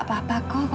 saya cenda mampu